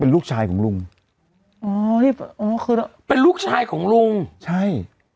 ลูกชายของลุงอ๋อนี่อ๋อคือเป็นลูกชายของลุงใช่